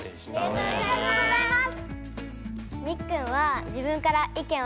ありがとうございます。